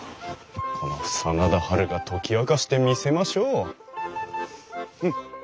この真田ハルが解き明かしてみせましょう。